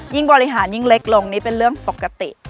บริหารยิ่งเล็กลงนี่เป็นเรื่องปกติ